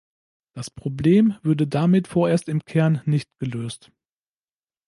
Das Problem würde damit vorerst im Kern nicht gelöst.